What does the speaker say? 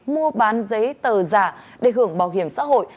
mua bán giấy tờ giả để hưởng bảo hiểm xã hội